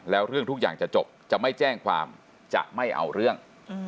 แล้วเรื่องทุกอย่างจะจบจะไม่แจ้งความจะไม่เอาเรื่อง